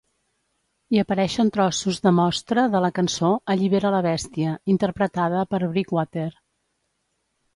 Hi apareixen trossos de mostra de la cançó "Allibera la bèstia" interpretada per Breakwater.